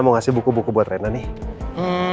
mau ngasih buku buku buat rena nih